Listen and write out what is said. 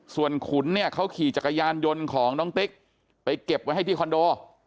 ส่วนขุนเนี่ยเขาขี่จักรยานยนต์ของน้องติ๊กไปเก็บไว้ให้ที่คอนโด